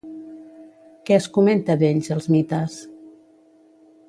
Què es comenta d'ells als mites?